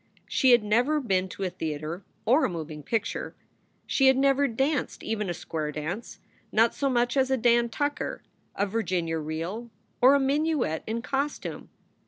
She had never been to a theater or a moving picture. She had never danced even a square dance, not so much as a Dan Tucker, a Virginia reel, or a minuet in costume.